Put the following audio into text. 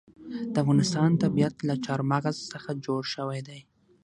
د افغانستان طبیعت له چار مغز څخه جوړ شوی دی.